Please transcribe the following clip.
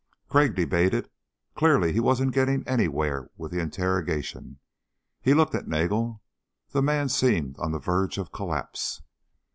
Crag debated. Clearly he wasn't getting anywhere with the interrogation. He looked at Nagel. The man seemed on the verge of collapse.